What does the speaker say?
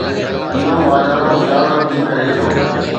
اهو واڌارو ضياءُ الحق جي ڪري ٿيو؟